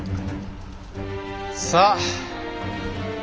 さあ！